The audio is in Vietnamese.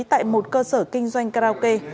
tại một cơ sở kinh doanh karaoke